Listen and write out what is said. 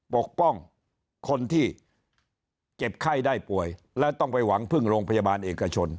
ปกป้องคนที่เจ็บไข้ได้ป่วยและต้องไปหวังพึ่งโรงพยาบาลเอกชน